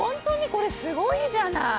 これすごいじゃない。